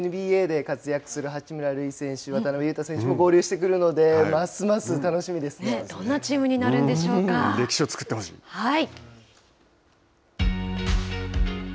これからきっとＮＢＡで活躍する八村塁選手も渡邊雄太選手も合流してくるのでどんなチームに歴史を作ってほしい。